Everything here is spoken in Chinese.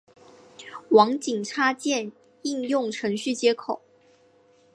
网景插件应用程序接口。